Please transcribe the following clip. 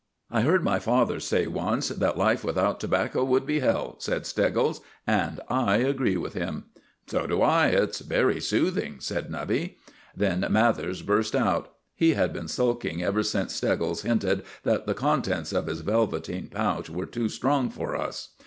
"I heard my father say once that life without tobacco would be hell," said Steggles; "and I agree with him." "So do I; it's very soothing," said Nubby. Then Mathers burst out. He had been sulking ever since Steggles hinted that the contents of his velveteen pouch were too strong for us.